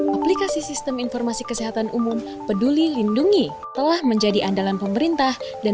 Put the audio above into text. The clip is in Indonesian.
aplikasi sistem informasi kesehatan umum peduli lindungi telah menjadi andalan pemerintah dan